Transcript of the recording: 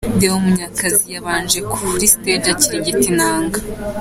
Deo Munyakazi yabanje kuri stage akirigita inanga.